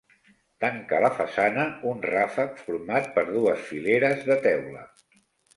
Tanca la façana un ràfec format per dues fileres de teula.